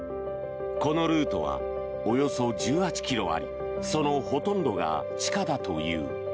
このルートはおよそ１８ｋｍありそのほとんどが地下だという。